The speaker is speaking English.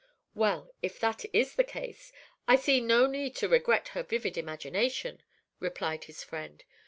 "Well, if that is the case, I see no need to regret her vivid imagination," replied his friend.